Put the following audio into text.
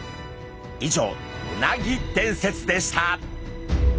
以上うなぎ伝説でした。